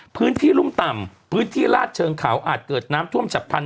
พื้นที่รุ่มต่ำพื้นที่ลาดเชิงเขาอาจเกิดน้ำท่วมฉับพันธ